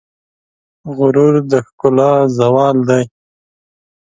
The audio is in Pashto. غرور د ښکلا زوال دی.